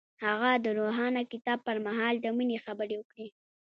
هغه د روښانه کتاب پر مهال د مینې خبرې وکړې.